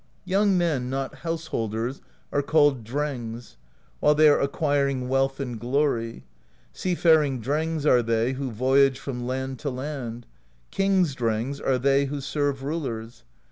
"Young men not householders are called Drengs, while they are acquiring wealth and glory: sea faring Drengs are they who voyage from land to land; King's Drengs are they who serve rulers.